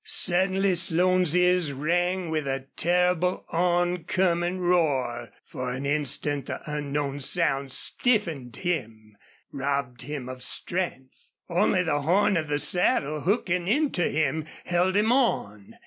Suddenly Slone's ears rang with a terrible on coming roar. For an instant the unknown sound stiffened him, robbed him of strength. Only the horn of the saddle, hooking into him, held him on.